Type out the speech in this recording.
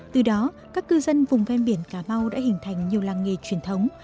từ đó các cư dân vùng ven biển cà mau đã hình thành nhiều làng nghề truyền thống